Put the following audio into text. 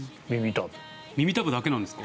耳たぶだけなんですか？